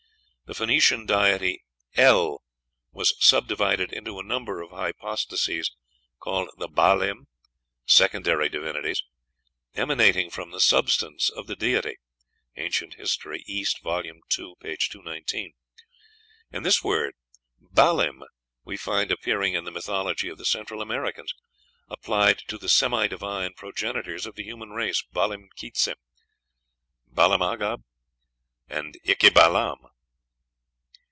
The Phoenician deity El "was subdivided into a number of hypostases called the Baalim, secondary divinities, emanating from the substance of the deity" ("Anc. Hist. East," vol. ii., p. 219); and this word Baalim we find appearing in the mythology of the Central Americans, applied to the semi divine progenitors of the human race, Balam Quitze, Balam Agab, and Iqui Balam.